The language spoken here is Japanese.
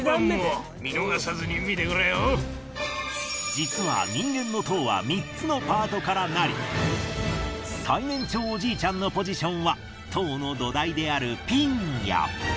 実は人間の塔は３つのパートからなり最年長おじいちゃんのポジションは塔の土台であるピンヤ。